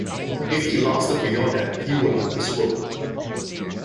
If he lasted beyond that, he would not disrobe.